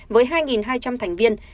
với hai hai trăm linh thành viên